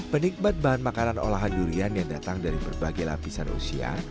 penikmat bahan makanan olahan durian yang datang dari berbagai lapisan usia